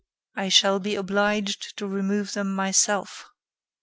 "I shall be obliged to remove them myself."